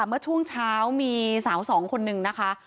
เมื่อช่วงเช้ามีสาวสองคนนึงนะคะ